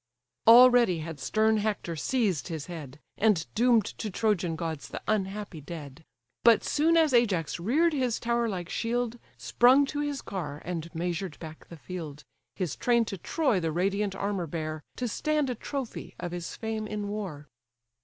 Already had stern Hector seized his head, And doom'd to Trojan gods the unhappy dead; But soon as Ajax rear'd his tower like shield, Sprung to his car, and measured back the field, His train to Troy the radiant armour bear, To stand a trophy of his fame in war.